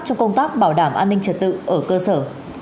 trong công tác bảo đảm an ninh trật tự ở cơ sở